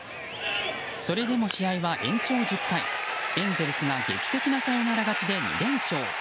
それでも試合は延長１０回エンゼルスが劇的なサヨナラ勝ちで２連勝。